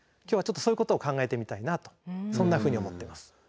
今日はちょっとそういうことを考えてみたいなとそんなふうに思ってます。